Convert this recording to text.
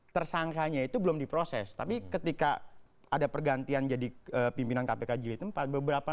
tersangkanya itu belum diproses tapi ketika ada pergantian jadi pimpinan kpk jilid empat beberapa